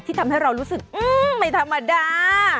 ทำให้เรารู้สึกไม่ธรรมดา